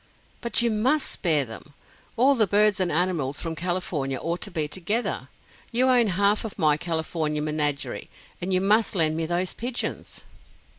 "But you must spare them. All the birds and animals from California ought to be together. You own half of my California menagerie, and you must lend me those pigeons."